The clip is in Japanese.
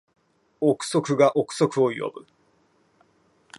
憶測が憶測を呼ぶ